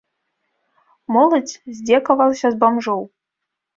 Моладзь здзекавалася з бамжоў.